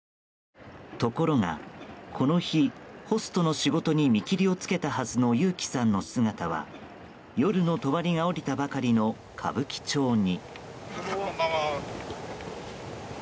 ところが、この日ホストの仕事に見切りをつけたはずのユウキさんの姿は夜のとばりが下りたばかりの歌舞伎町に。